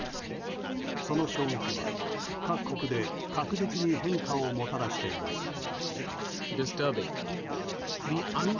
その衝撃は、各国で確実に変化をもたらしています。